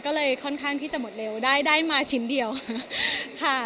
ก็เลยค่อนข้างที่จะหมดเร็วได้ได้มาชิ้นเดียวค่ะ